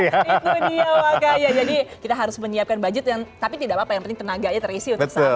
itu dia itu dia wakanya jadi kita harus menyiapkan budget tapi tidak apa apa yang penting tenaganya terisi untuk sahur ya